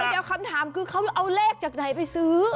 เดี๋ยวคำถามคือเขาเอาเลขจากไหนไปซื้อ